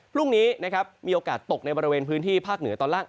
พรุ่งนี้นะครับมีโอกาสตกในบริเวณพื้นที่ภาคเหนือตอนล่าง